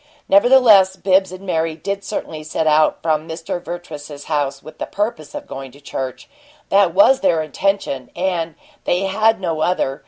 Nevertheless, Bibbs and Mary did certainly set out from Mr. Vertrees's house with the purpose of going to church. That was their intention, and they had no other.